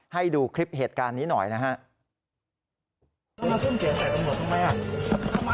ให้ดูคลิปเหตุการณ์นี้หน่อยนะฮะ